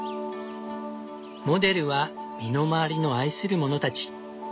モデルは身の回りの愛するものたち。